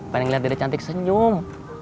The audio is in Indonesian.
pengen liat dede cantik senyum